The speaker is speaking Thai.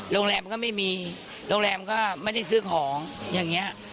โรงแรมก็ไม่มีโรงแรมก็ไม่ได้ซื้อของอย่างนี้